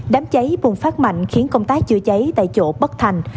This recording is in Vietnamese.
đám cháy bùng phát mạnh khiến công tác chữa cháy tại chỗ bất thành